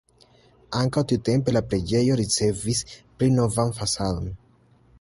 Ankaŭ tiutempe la preĝejo ricevis pli novan fasadon.